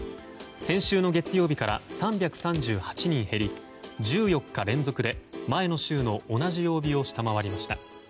先週の月曜日から３３８人減り１４日連続で前の週の同じ曜日を下回りました。